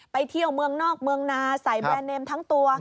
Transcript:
ไปเที่ยวเมืองนอกเมืองนาใส่แบรนด์เนมทั้งตัว